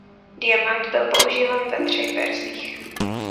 Diamant byl používán ve třech verzích.